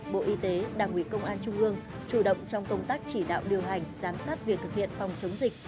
bộ y tế đảng ủy công an trung ương chủ động trong công tác chỉ đạo điều hành giám sát việc thực hiện phòng chống dịch